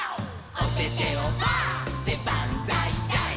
「おててをパーでバンザイザイ」